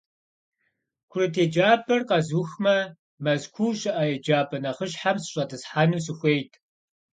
Курыт еджапӀэр къэзухмэ, Мэзкуу щыӀэ еджапӏэ нэхъыщхьэм сыщӏэтӏысхьэну сыхуейт.